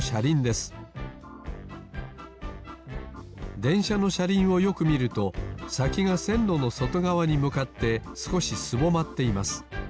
でんしゃのしゃりんをよくみるとさきがせんろのそとがわにむかってすこしすぼまっています。